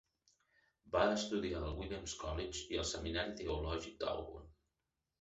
Va estudiar al Williams College i al Seminari teològic d'Auburn.